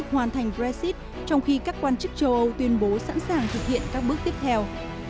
hoàn thành brexit trong khi các quan chức châu âu tuyên bố sẵn sàng thực hiện các bước tiếp theo